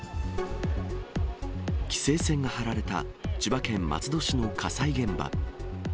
規制線が張られた千葉県松戸市の火災現場。